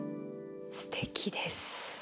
すてきです。